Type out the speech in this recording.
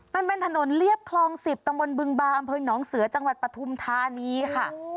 มันเป็นถนนเรียบคลอง๑๐ตำบลบึงบาอำเภอหนองเสือจังหวัดปฐุมธานีค่ะ